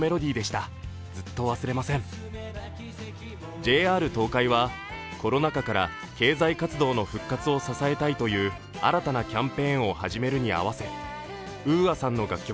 ＪＲ東海は、コロナ禍から経済活動の復活を支えたいという新たなキャンペーンを始めるに合わせ、ＵＡさんの楽曲